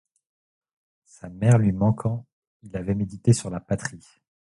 Sa mère lui manquant, il avait médité sur la patrie.